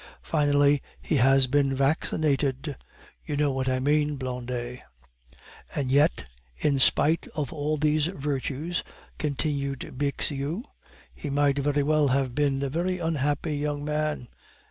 Finally, he had been vaccinated (you know what I mean, Blondet). "And yet, in spite of all these virtues," continued Bixiou, "he might very well have been a very unhappy young man.